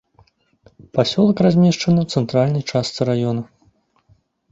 Пасёлак размешчаны ў цэнтральнай частцы раёна.